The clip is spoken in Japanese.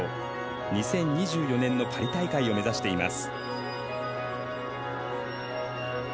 ２０２４年のパリ大会を目指しています。